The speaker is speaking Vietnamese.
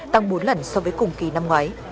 tăng bốn lần so với cùng kỳ năm ngoái